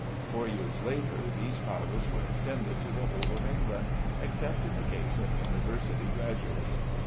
Four years later these powers were extended to the whole of England, except in the case of University graduates.